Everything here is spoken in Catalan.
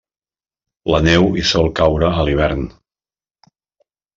La neu hi sol caure a l'hivern.